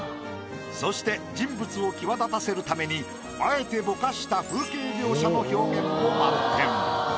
そして人物を際立たせるためにあえてボカした風景描写の表現も満点。